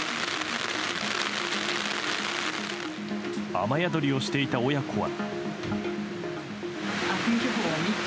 雨宿りをしていた親子は。